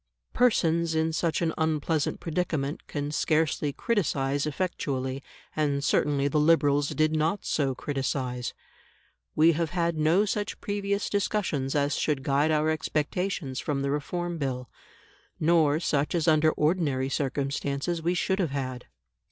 Persons in such an unpleasant predicament can scarcely criticise effectually, and certainly the Liberals did not so criticise. We have had no such previous discussions as should guide our expectations from the Reform Bill, nor such as under ordinary circumstances we should have had.